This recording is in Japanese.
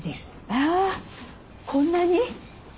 あこんなに？